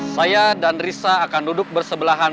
saya dan risa akan duduk bersebelahan